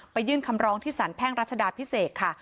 ยื่นคำร้องที่สารแพ่งรัชดาพิเศษค่ะ